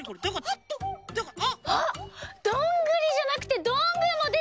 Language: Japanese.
あっどんぐりじゃなくてどんぐーもでてきた！